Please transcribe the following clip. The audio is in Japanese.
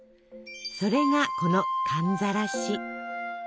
それがこの「寒ざらし」。